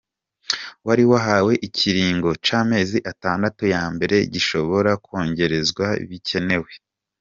Wari wahawe ikiringo c’amezi atandatu ya mbere gishobora kwongerezwa bikenewe.